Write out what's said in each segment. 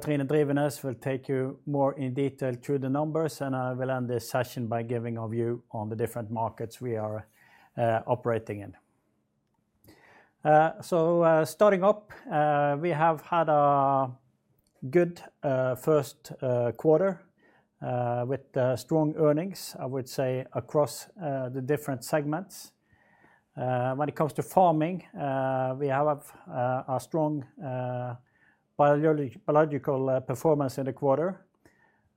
Britt Kathrine Drivenes will take you more in detail through the numbers, and I will end this session by giving a view on the different markets we are operating in. Starting up, we have had a good first quarter with strong earnings, I would say, across the different segments. When it comes to farming, we have a strong biological performance in the quarter.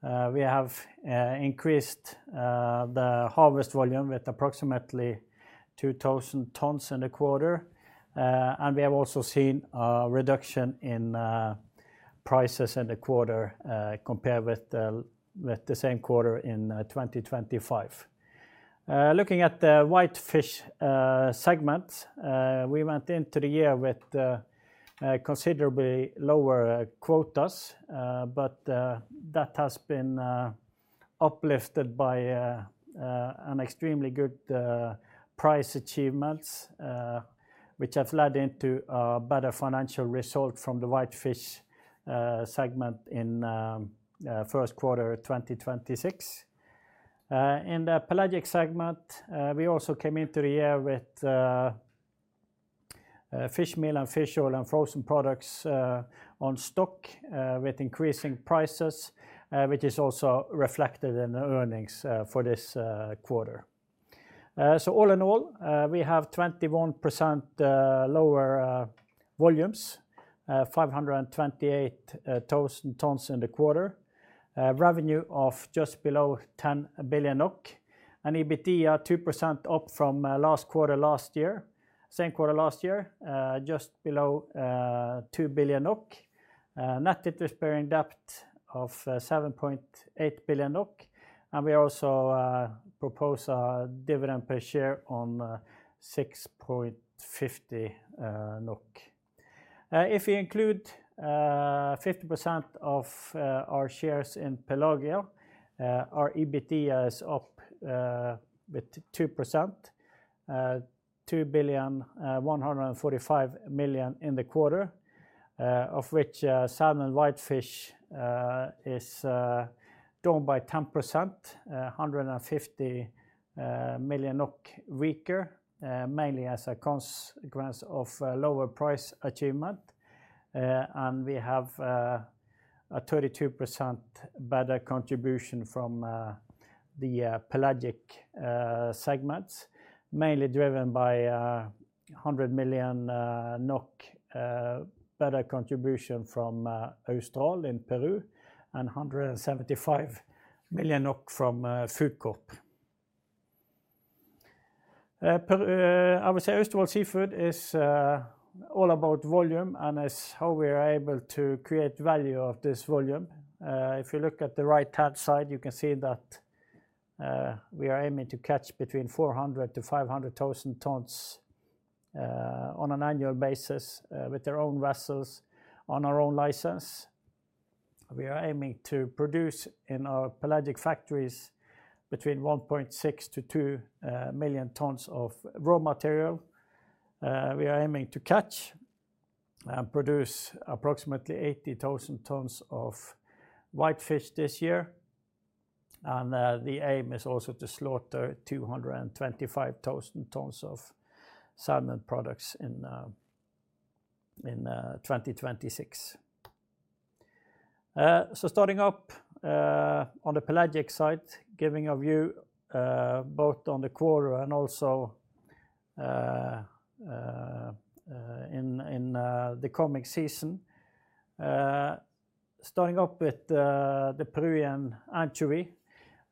We have increased the harvest volume with approximately 2,000 tons in the quarter. We have also seen a reduction in prices in the quarter compared with the same quarter in 2025. Looking at the white fish segment, we went into the year with considerably lower quotas. That has been uplifted by an extremely good price achievements, which have led into a better financial result from the white fish segment in first quarter 2026. In the pelagic segment, we also came into the year with fish meal and fish oil and frozen products on stock with increasing prices, which is also reflected in the earnings for this quarter. All in all, we have 21% lower volumes, 528,000 tons in the quarter. Revenue of just below 10 billion NOK, and EBITDA 2% up from last quarter last year. Same quarter last year, just below 2 billion NOK. Net interest-bearing debt of 7.8 billion NOK. We also propose a dividend per share on 6.50 NOK. If we include 50% of our shares in Pelagia, our EBITDA is up with 2%, 2,145,000,000 in the quarter. Of which, salmon white fish is down by 10%, 150 million NOK weaker, mainly as a consequence of lower price achievement. We have a 32% better contribution from the pelagic segments, mainly driven by 100 million NOK better contribution from Austral in Peru and 175 million NOK from Foodcorp. I would say Austevoll Seafood is all about volume and it's how we are able to create value of this volume. If you look at the right-hand side, you can see that we are aiming to catch between 400,000-500,000 tons on an annual basis with our own vessels on our own license. We are aiming to produce in our pelagic factories between 1.6 million-2 million tons of raw material. We are aiming to catch and produce approximately 80,000 tons of white fish this year. The aim is also to slaughter 225,000 tons of salmon products in 2026. Starting up on the pelagic side, giving a view both on the quarter and also in the coming season. Starting up with the Peruvian anchovy.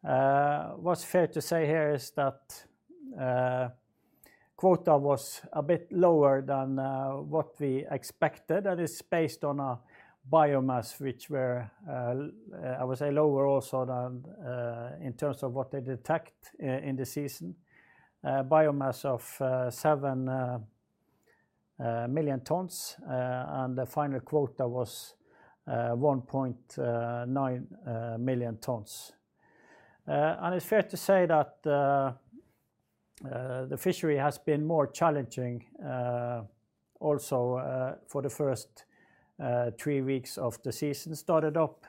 What's fair to say here is that quota was a bit lower than what we expected. That is based on a biomass which were, I would say lower also than in terms of what they detect in the season. Biomass of 7 million tons, and the final quota was 1.9 million tons. It's fair to say that the fishery has been more challenging also for the first three weeks of the season. Started up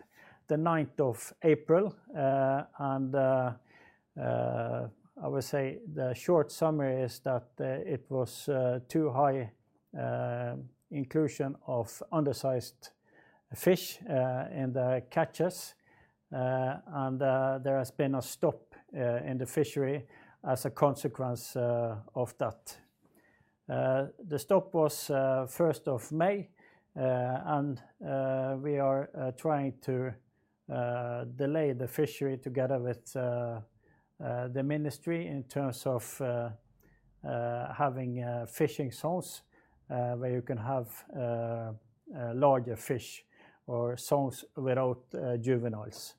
the ninth of April. I would say the short summary is that it was too high inclusion of undersized fish in the catches. There has been a stop in the fishery as a consequence of that. The stop was first of May, and we are trying to delay the fishery together with the ministry in terms of having fishing zones where you can have larger fish or zones without juveniles.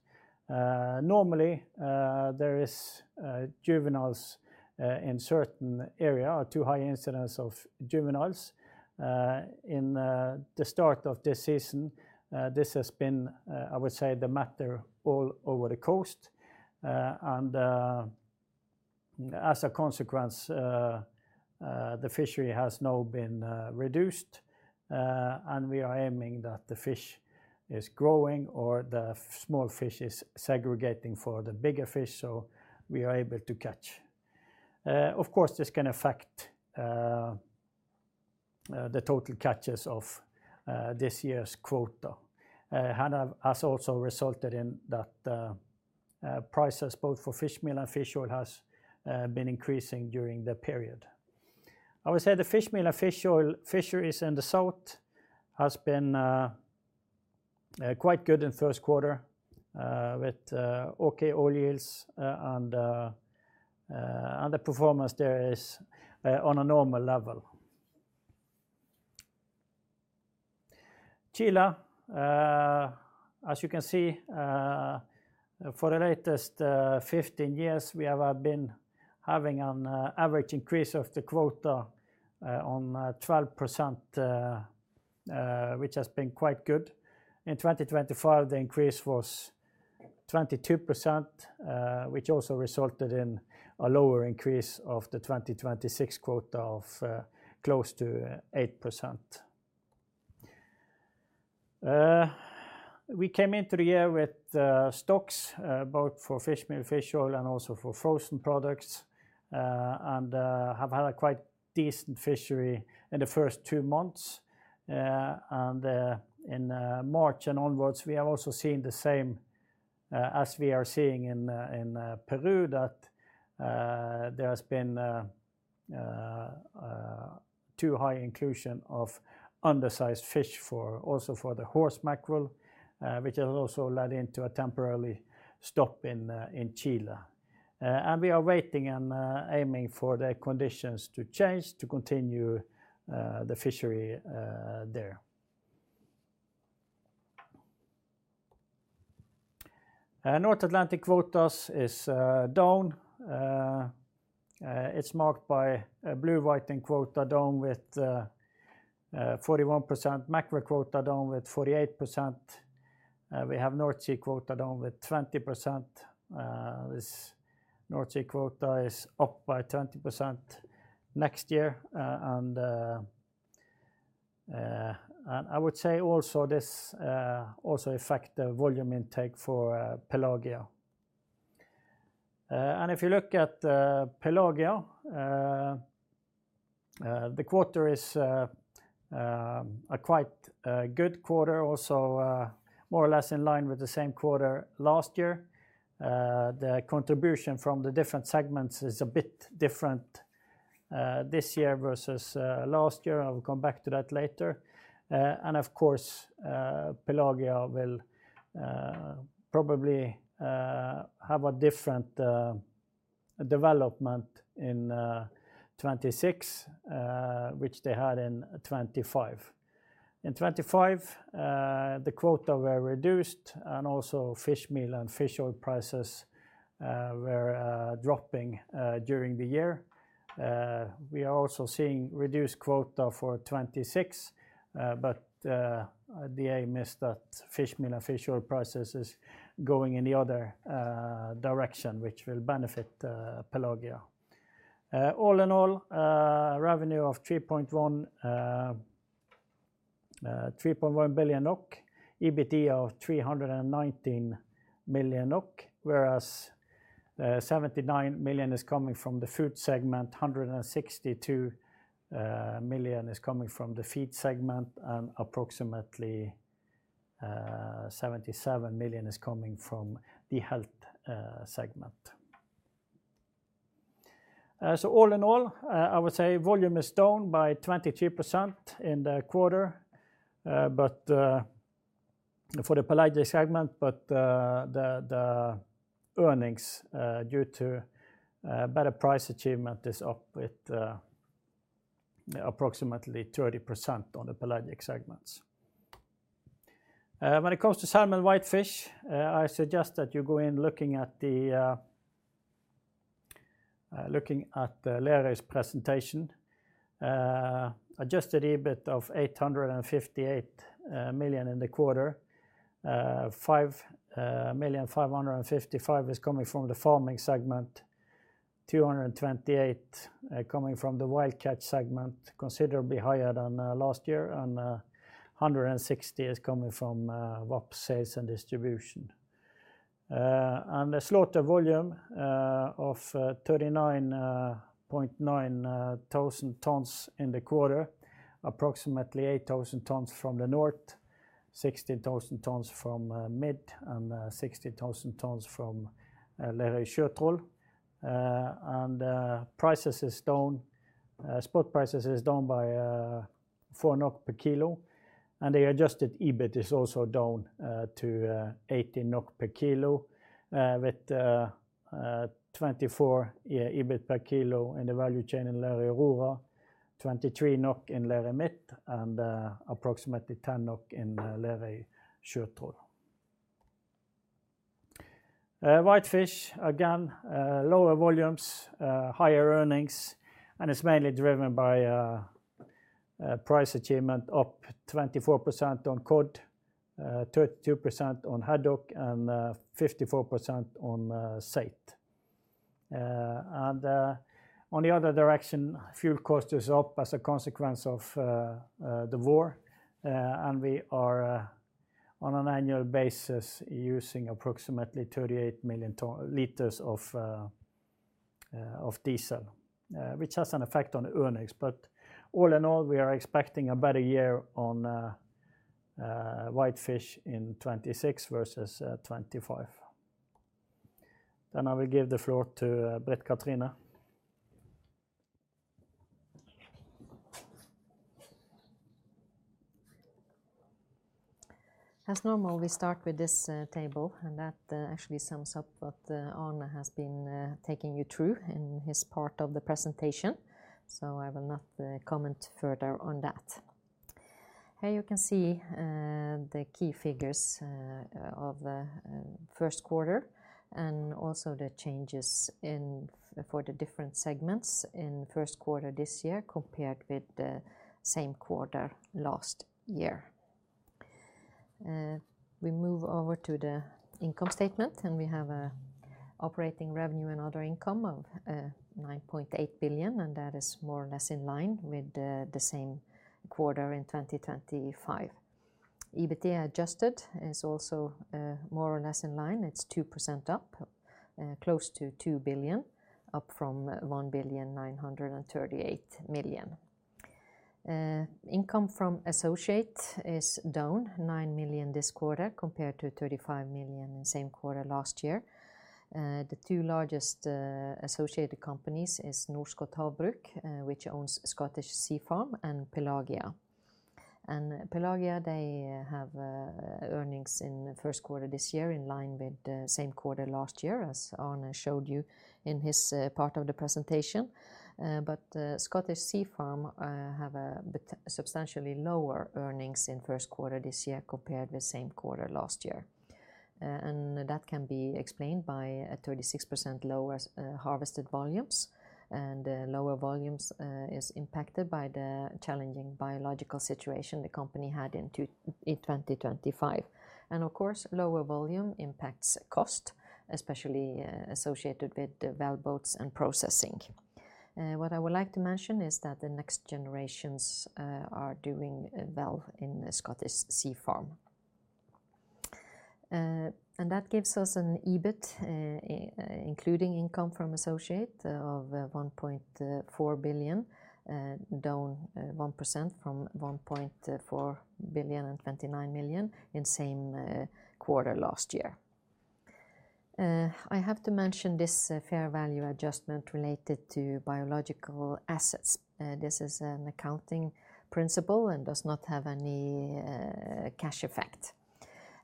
Normally, there is juveniles in certain area or too high incidence of juveniles. In the start of this season, this has been I would say the matter all over the coast. As a consequence, the fishery has now been reduced, and we are aiming that the fish is growing or the small fish is segregating for the bigger fish, so we are able to catch. Of course, this can affect the total catches of this year's quota. It has also resulted in that prices both for fish meal and fish oil has been increasing during the period. I would say the fish meal and fish oil fisheries in the south has been quite good in first quarter, with okay oil yields, and the performance there is on a normal level. Chile, as you can see, for the latest 15 years, we have been having an average increase of the quota on 12%, which has been quite good. In 2025, the increase was 22%, which also resulted in a lower increase of the 2026 quota of close to 8%. We came into the year with stocks, both for fish meal, fish oil, and also for frozen products, and have had a quite decent fishery in the first two months. In March and onwards, we have also seen the same, as we are seeing in Peru that there has been too high inclusion of undersized fish for also for the horse mackerel, which has also led into a temporarily stop in Chile. We are waiting and aiming for the conditions to change to continue the fishery there. North Atlantic quotas is down. It's marked by a blue whiting quota down with 41%, mackerel quota down with 48%. We have North Sea quota down with 20%. This North Sea quota is up by 20% next year. I would say also this also affect the volume intake for Pelagia. If you look at Pelagia, the quarter is a quite good quarter also, more or less in line with the same quarter last year. The contribution from the different segments is a bit different, this year versus last year, and I'll come back to that later. Of course, Pelagia will probably have a different development in 2026, which they had in 2025. In 2025, the quota were reduced, and also fish meal and fish oil prices were dropping during the year. We are also seeing reduced quota for 2026, but the aim is that fish meal and fish oil prices is going in the other direction, which will benefit Pelagia. All in all, revenue of 3.1 billion NOK, EBIT of 319 million NOK, whereas 79 million is coming from the food segment, 162 million is coming from the feed segment, and approximately 77 million is coming from the health segment. All in all, I would say volume is down by 22% in the quarter, but for the pelagic segment, but the earnings due to better price achievement is up with approximately 30% on the pelagic segments. When it comes to salmon whitefish, I suggest that you go in looking at Lerøy's presentation. Adjusted EBIT of 858 million in the quarter. 5,000,555 is coming from the farming segment, 228 coming from the wild catch segment, considerably higher than last year, and 160 is coming from VAP sales and distribution. The slaughter volume of 39.9 thousand tons in the quarter, approximately 8,000 tons from the north, 60,000 tons from Lerøy Midt, and 60,000 tons from Lerøy Sjøtroll. Prices is down. Spot prices is down by 4 NOK per kilo, and the adjusted EBIT is also down to 18 NOK per kilo, with 24 EBIT per kilo in the value chain in Lerøy Aurora, 23 NOK in Lerøy Midt, and approximately 10 NOK in Lerøy Sjøtroll. Whitefish, again, lower volumes, higher earnings, and it's mainly driven by price achievement up 24% on cod, 32% on haddock, and 54% on saithe. On the other direction, fuel cost is up as a consequence of the war. We are on an annual basis using approximately 38 million liters of diesel, which has an effect on earnings. All in all, we are expecting a better year on whitefish in 2026 versus 2025. I will give the floor to Britt Kathrine. As normal, we start with this table, and that actually sums up what Arne has been taking you through in his part of the presentation. I will not comment further on that. Here you can see the key figures of first quarter and also the changes for the different segments in first quarter this year compared with the same quarter last year. We move over to the income statement, and we have a operating revenue and other income of 9.8 billion, and that is more or less in line with the same quarter in 2025. EBITDA adjusted is also more or less in line. It's 2% up, close to 2 billion, up from 1,938,000,000. Income from associate is down 9 million this quarter compared to 35 million in same quarter last year. The two largest associated companies is Norskott Havbruk, which owns Scottish Sea Farms and Pelagia. Pelagia, they have earnings in first quarter this year in line with the same quarter last year, as Arne showed you in his part of the presentation. Scottish Sea Farms have substantially lower earnings in first quarter this year compared with same quarter last year. That can be explained by a 36% lower harvested volumes. Lower volumes is impacted by the challenging biological situation the company had in 2025. Of course, lower volume impacts cost, especially associated with the wellboats and processing. What I would like to mention is that the next generations are doing well in the Scottish Sea Farms. That gives us an EBIT, including income from associate of 1.4 billion, down 1% from 1.4 billion and 29 million in same quarter last year. I have to mention this fair value adjustment related to biological assets. This is an accounting principle and does not have any cash effect.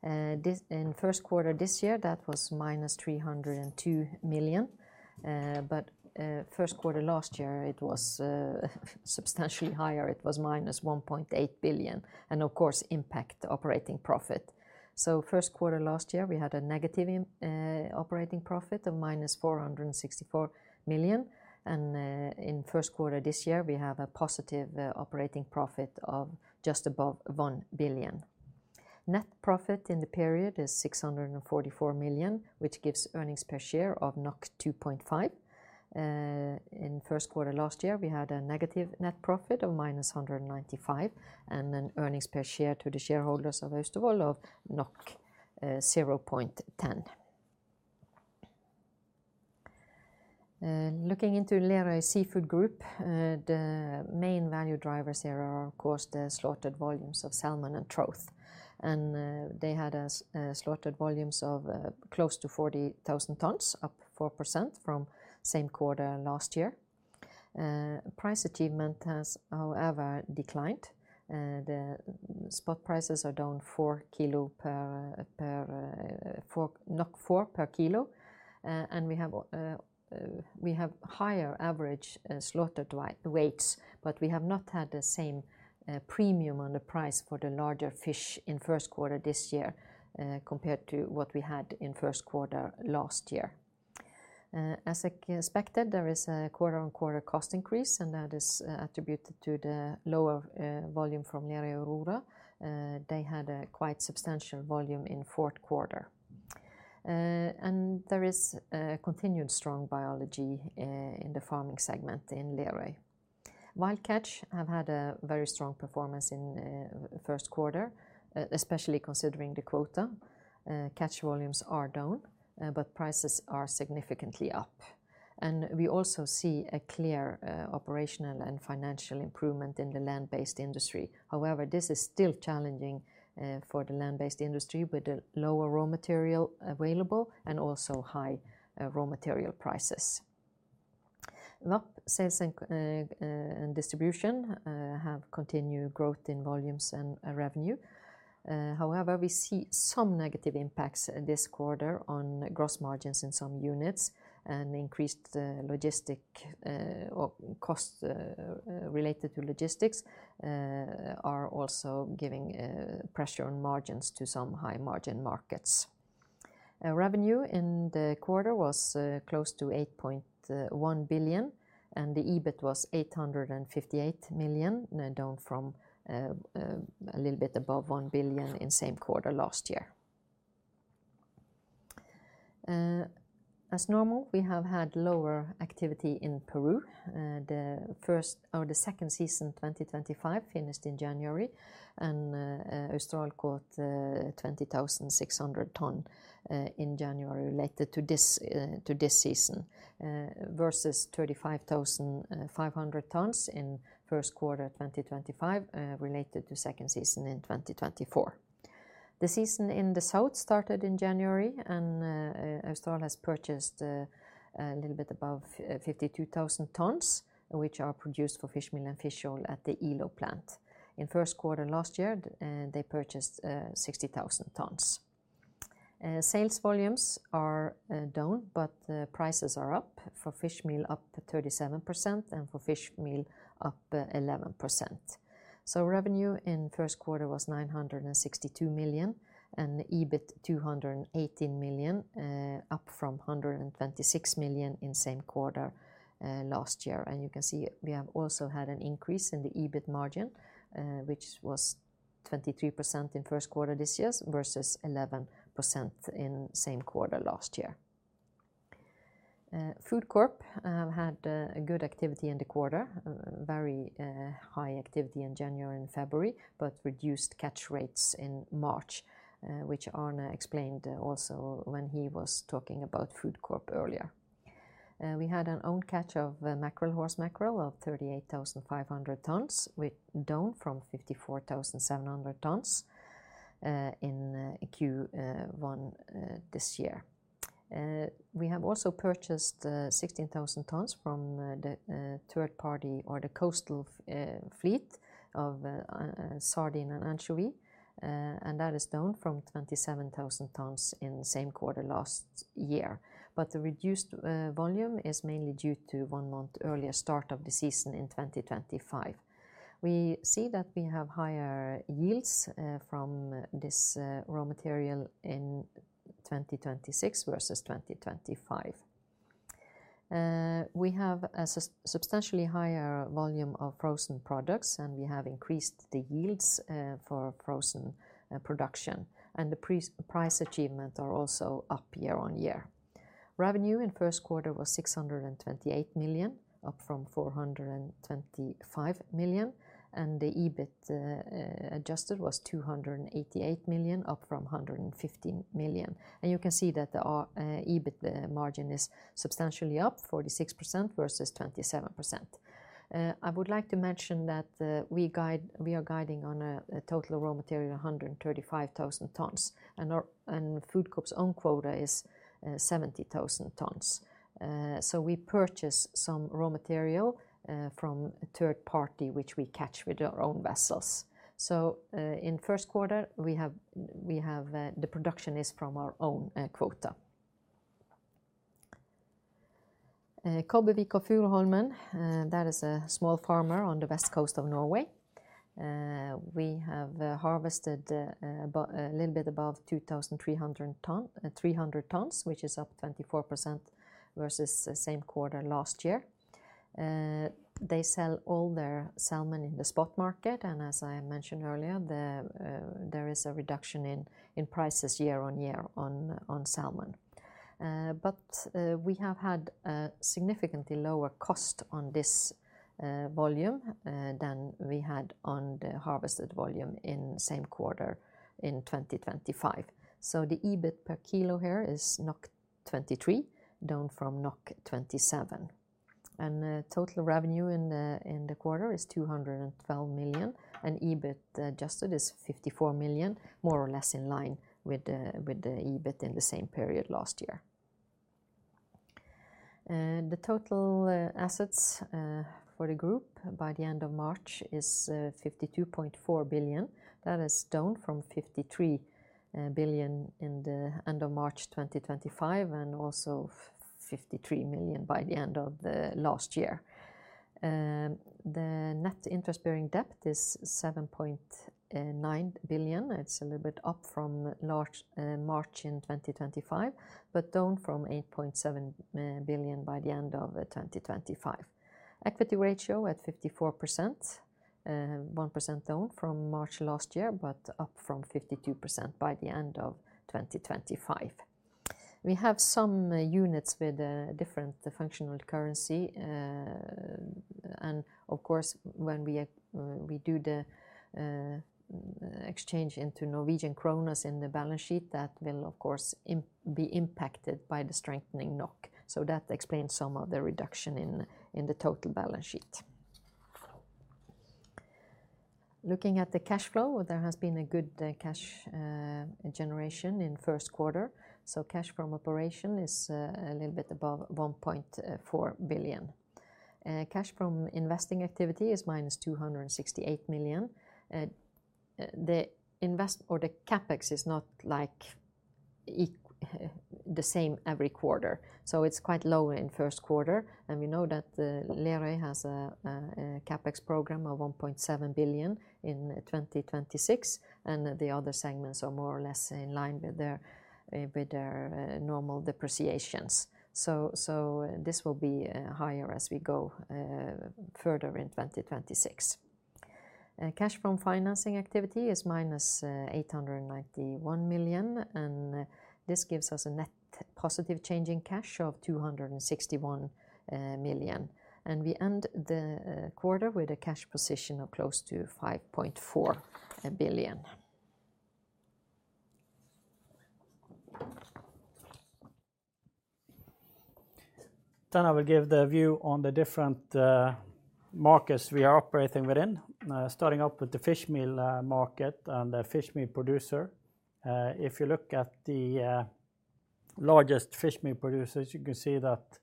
In first quarter this year, that was minus 302 million. First quarter last year it was substantially higher. It was minus 1.8 billion and of course impact operating profit. First quarter last year we had a negative operating profit of -464 million. In first quarter this year we have a positive operating profit of just above 1 billion. Net profit in the period is 644 million, which gives earnings per share of 2.5. In first quarter last year we had a negative net profit of -195, earnings per share to the shareholders of Austevoll Seafood of 0.10. Looking into Lerøy Seafood Group, the main value drivers here are of course the slaughtered volumes of salmon and trout. They had slaughtered volumes of close to 40,000 tons, up 4% from same quarter last year. Price achievement has, however, declined. The spot prices are down 4 per kilo. We have higher average slaughtered weights, but we have not had the same premium on the price for the larger fish in first quarter this year, compared to what we had in first quarter last year. As expected, there is a quarter-on-quarter cost increase, and that is attributed to the lower volume from Lerøy Aurora. They had a quite substantial volume in fourth quarter. There is a continued strong biology in the farming segment in Lerøy. Wild Catch have had a very strong performance in first quarter, especially considering the quota. Catch volumes are down, but prices are significantly up. We also see a clear operational and financial improvement in the land-based industry. However, this is still challenging for the land-based industry with the lower raw material available and also high raw material prices. VAP Sales and Distribution have continued growth in volumes and revenue. However, we see some negative impacts this quarter on gross margins in some units, and increased costs related to logistics are also giving pressure on margins to some high-margin markets. Revenue in the quarter was close to 8.1 billion, and the EBIT was 858 million, down from a little bit above 1 billion in same quarter last year. As normal, we have had lower activity in Peru. The first or the second season 2025 finished in January, Austral caught 20,600 ton in January related to this to this season, versus 35,500 tons in first quarter 2025 related to second season in 2024. The season in the south started in January, Austral has purchased a little bit above 52,000 tons which are produced for fish meal and fish oil at the Ilo plant. In first quarter last year, they purchased 60,000 tons. Sales volumes are down but the prices are up. For fish meal up 37% and for fish meal up 11%. Revenue in first quarter was 962 million and EBIT 218 million, up from 126 million in same quarter last year. You can see we have also had an increase in the EBIT margin, which was 23% in first quarter this year versus 11% in same quarter last year. Foodcorp have had a good activity in the quarter. Very high activity in January and February but reduced catch rates in March, which Arne explained also when he was talking about Foodcorp earlier. We had an own catch of mackerel, horse mackerel of 38,500 tons down from 54,700 tons in Q1 this year. We have also purchased 16,000 tons from the third party or the coastal fleet of sardine and anchovy. That is down from 27,000 tons in same quarter last year. The reduced volume is mainly due to one month earlier start of the season in 2025. We see that we have higher yields from this raw material in 2026 versus 2025. We have a substantially higher volume of frozen products and we have increased the yields for frozen production and the price achievement are also up year-on-year. Revenue in first quarter was 628 million up from 425 million and the EBIT adjusted was 288 million up from 115 million. You can see that the EBIT margin is substantially up 46% versus 27%. I would like to mention that we are guiding on a total raw material 135,000 tons and Foodcorp's own quota is 70,000 tons. We purchase some raw material from a third party which we catch with our own vessels. In first quarter we have the production is from our own quota. Kobbevik og Furuholmen, that is a small farmer on the west coast of Norway. We have harvested a little bit above 2,300 tons which is up 24% versus same quarter last year. They sell all their salmon in the spot market and as I mentioned earlier, there is a reduction in prices year-on-year on salmon. We have had a significantly lower cost on this volume than we had on the harvested volume in same quarter in 2025. The EBIT per kilo here is 23 down from 27. Total revenue in the quarter is 212 million and EBIT adjusted is 54 million more or less in line with the EBIT in the same period last year. The total assets for the group by the end of March is 52.4 billion. That is down from 53 billion in the end of March 2025 and also 53 million by the end of the last year. The net interest-bearing debt is 7.9 billion. It's a little bit up from March 2025 but down from 8.7 billion by the end of 2025. Equity ratio at 54%, 1% down from March last year but up from 52% by the end of 2025. We have some units with different functional currency. Of course when we do the exchange into Norwegian kroner in the balance sheet that will of course be impacted by the strengthening NOK. That explains some of the reduction in the total balance sheet. Looking at the cash flow, there has been a good cash generation in first quarter. Cash from operation is a little bit above 1.4 billion. Cash from investing activity is -268 million. The CapEx is not like the same every quarter. It's quite low in first quarter, and we know that Lerøy has a CapEx program of 1.7 billion in 2026, and the other segments are more or less in line with their with their normal depreciations. This will be higher as we go further in 2026. Cash from financing activity is minus 891 million, and this gives us a net positive change in cash of 261 million. We end the quarter with a cash position of close to 5.4 billion. I will give the view on the different markets we are operating within, starting up with the fish meal market and the fish meal producer. If you look at the largest fish meal producers, you can see that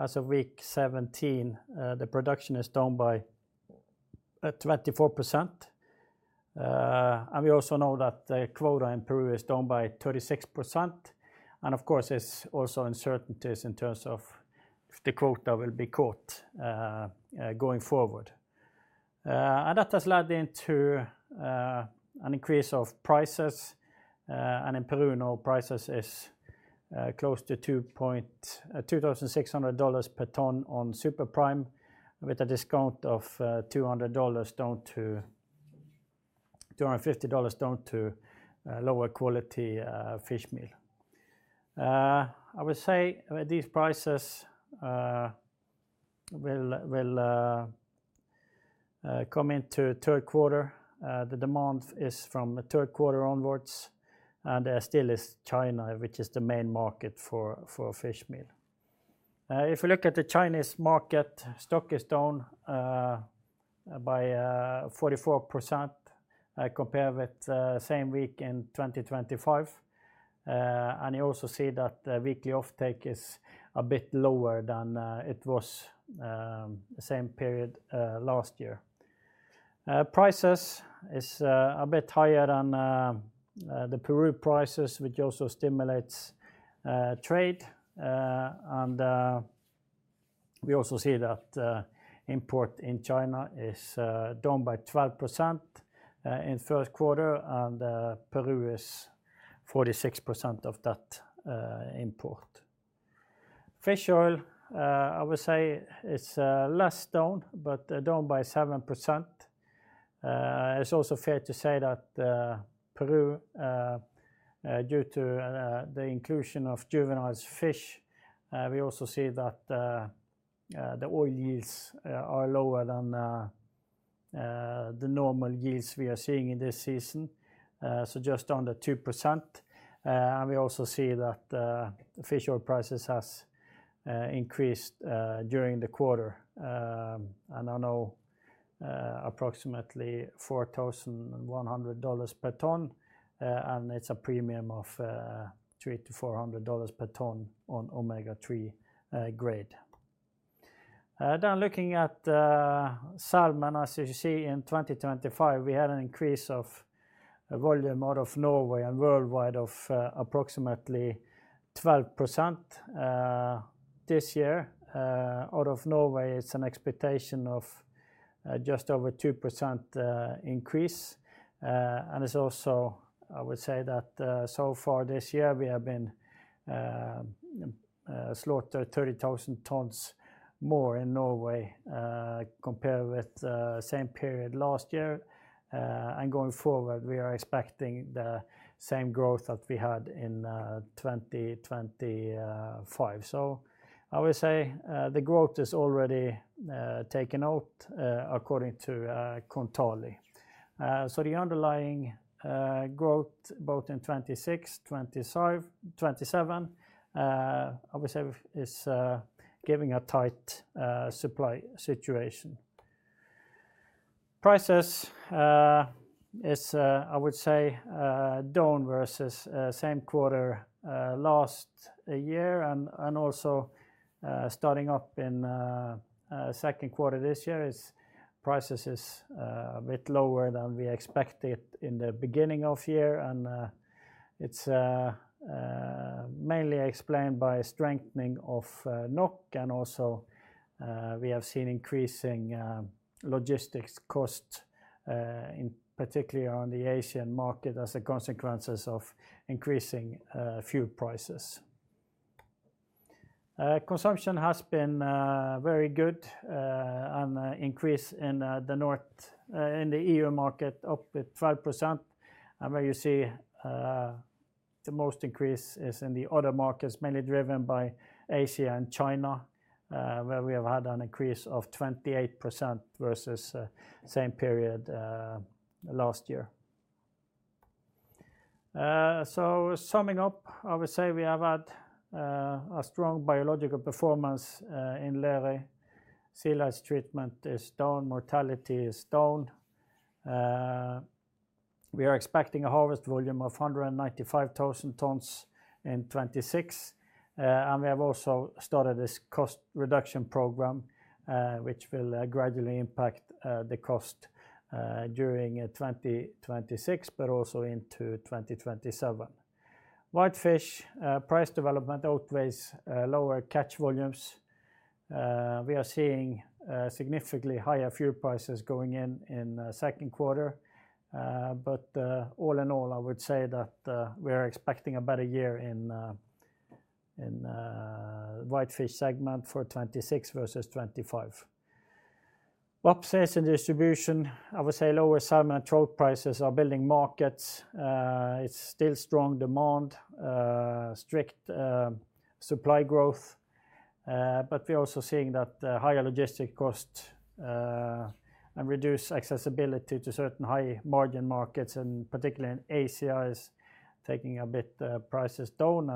as of week 17, the production is down by 24%. We also know that the quota in Peru is down by 36%, and of course, it's also uncertainties in terms of if the quota will be caught going forward. That has led into an increase of prices, and in Peru now prices is close to $2,600 per ton on super prime with a discount of $200 down to $250 down to lower quality fish meal. I would say these prices will come into third quarter. The demand is from the third quarter onwards, and there still is China, which is the main market for fish meal. If you look at the Chinese market, stock is down by 44% compared with same week in 2025. You also see that the weekly offtake is a bit lower than it was the same period last year. Prices is a bit higher than the Peru prices, which also stimulates trade. We also see that import in China is down by 12% in first quarter and Peru is 46% of that import. Fish oil, I would say, is less down, but down by 7%. It's also fair to say that Peru, due to the inclusion of juvenile fish, we also see that the oil yields are lower than the normal yields we are seeing in this season, so just under 2%. We also see that fish oil prices has increased during the quarter and are now approximately $4,100 per ton, and it's a premium of $300-$400 per ton on Omega-3 grade. Looking at salmon, as you see in 2025, we had an increase of volume out of Norway and worldwide of approximately 12%. This year, out of Norway, it's an expectation of just over 2% increase. It's also, I would say that, so far this year we have been slaughter 30,000 tons more in Norway, compared with same period last year. Going forward, we are expecting the same growth that we had in 2025. I would say, the growth is already taken out, according to Kontali. The underlying growth both in 2026, 2025, 2027, I would say is giving a tight supply situation. Prices is, I would say, down versus same quarter last year and also, starting up in second quarter this year is prices is a bit lower than we expected in the beginning of year and it's mainly explained by a strengthening of NOK and also, we have seen increasing logistics costs in particularly on the Asian market as a consequence of increasing fuel prices. Consumption has been very good and an increase in the North in the EU market up with 12%. Where you see the most increase is in the other markets, mainly driven by Asia and China, where we have had an increase of 28% versus same period last year. Summing up, I would say we have had a strong biological performance in Lerøy. Sea lice treatment is down. Mortality is down. We are expecting a harvest volume of 195,000 tons in 2026, and we have also started this cost reduction program, which will gradually impact the cost during 2026 but also into 2027. Whitefish price development outweighs lower catch volumes. We are seeing significantly higher fuel prices going in in second quarter. All in all, I would say that we are expecting a better year in in whitefish segment for 2026 versus 2025. Ops and distribution, I would say lower salmon and trout prices are building markets. It's still strong demand, strict supply growth. We're also seeing that higher logistic costs and reduced accessibility to certain high-margin markets, and particularly in Asia, is taking a bit prices down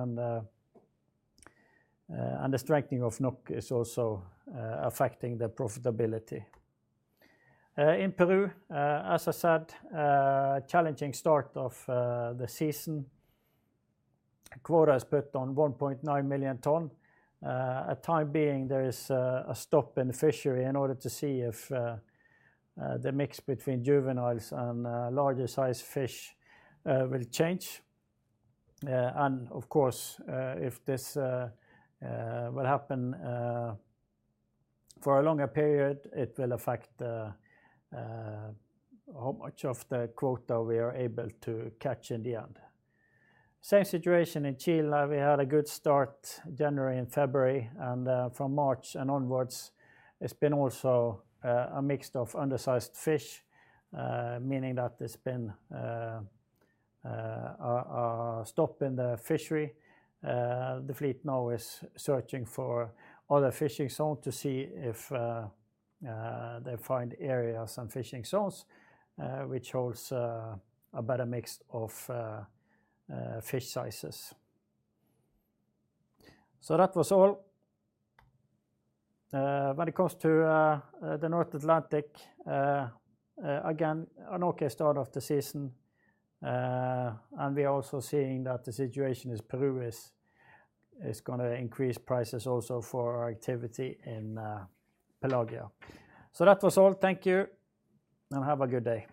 and the strengthening of NOK is also affecting the profitability. In Peru, as I said, challenging start of the season. Quota is put on 1.9 million tons. A time being there is a stop in the fishery in order to see if the mix between juveniles and larger-sized fish will change. Of course, if this will happen for a longer period, it will affect how much of the quota we are able to catch in the end. Same situation in Chile. We had a good start January and February, and from March and onwards, it's been also a mixed of undersized fish, meaning that it's been stop in the fishery. The fleet now is searching for other fishing zone to see if they find areas and fishing zones, which holds a better mix of fish sizes. That was all. When it comes to the North Atlantic, again, an okay start of the season. We are also seeing that the situation in Peru is gonna increase prices also for our activity in Pelagia. That was all. Thank you, and have a good day.